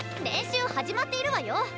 練習始まっているわよ！